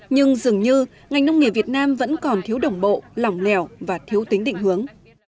nhưng dường như ngành nông nghiệp việt nam vẫn còn thiếu đồng bộ lỏng lẻo và thiếu tính định hướng